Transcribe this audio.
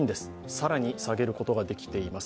更に下げることができています。